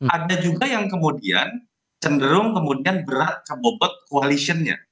ada juga yang kemudian tenderung kemudian berat ke bobot koalisionnya